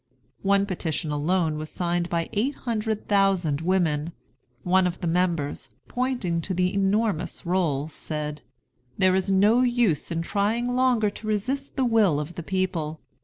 One petition alone was signed by eight hundred thousand women. One of the members, pointing to the enormous roll, said: "There is no use in trying longer to resist the will of the people.